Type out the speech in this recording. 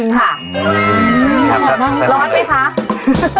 ร้อนไหมคะ